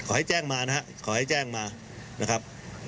ขอให้แจ้งมานะครับขอให้แจ้งมานะครับ